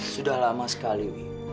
sudah lama sekali wi